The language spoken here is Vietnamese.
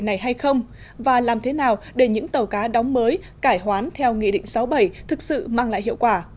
này hay không và làm thế nào để những tàu cá đóng mới cải hoán theo nghị định sáu bảy thực sự mang lại hiệu quả